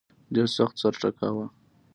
ډېر سخت سر ټکاوه.